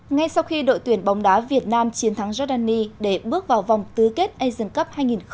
ngay sau khi đội tuyển bóng đá việt nam chiến thắng giordani để bước vào vòng tứ kết asian cup hai nghìn một mươi chín